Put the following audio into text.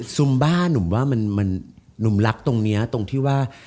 ซุมบ้านุ่มรับตรงนี้ตรงที่ว่า